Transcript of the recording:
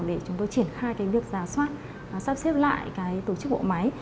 để chúng tôi triển khai việc giả soát sắp xếp lại tổ chức bộ máy